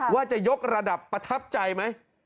ว่าจะยกระดับประทับใจไหม